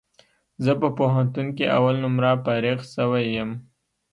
زه په پوهنتون کي اول نمره فارغ سوی یم